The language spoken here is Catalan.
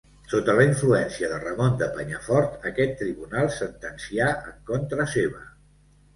Sota la influència de Ramon de Penyafort, aquest tribunal sentencià en contra seva.